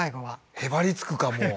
へばりつくかもう。